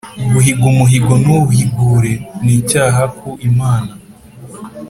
Guhiga umuhigo ntuwuhigure n’ icyaha ku imana